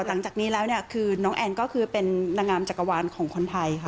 หลังจากนี้แล้วเนี่ยคือน้องแอนก็คือเป็นนางงามจักรวาลของคนไทยค่ะ